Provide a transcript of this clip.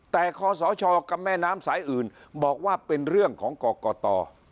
แต่คอสชกับแม่น้ำสายอื่นบอกว่าเป็นเรื่องของกรกต